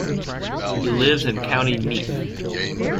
He lives in County Meath.